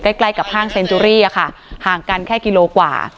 ใกล้ใกล้กับห้างอะค่ะห่างกันแค่กิโลกว่า